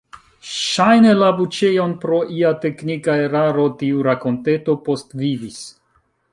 Ŝajne, la buĉejon pro ia teknika eraro tiu rakonteto postvivis.